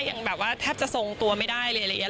ยังแบบว่าแทบจะทรงตัวไม่ได้เลยอะไรอย่างนี้